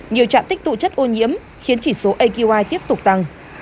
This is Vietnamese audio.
nhiều trạm tích tụ chất ô nhiễm khiến chỉ số aqi tiếp tục tăng